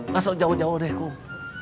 langsung jauh jauh deh kum